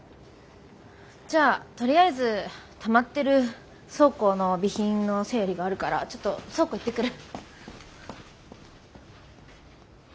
じゃあとりあえずたまってる倉庫の備品の整理があるからちょっと倉庫行ってくる。